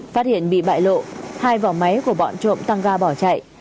phát hiện bị bại lộ hai vỏ máy của bọn trộm tăng ga bỏ chạy